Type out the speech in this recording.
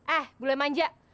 eh bule manja